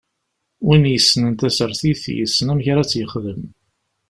Win yessnen tasertit, yessen amek ara tt-yexdem.